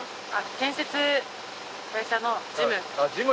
建設会社の事務。